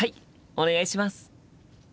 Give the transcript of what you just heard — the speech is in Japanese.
お願いします。